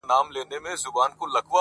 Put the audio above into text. هغه د زړونو د دنـيـا لــه درده ولـوېږي,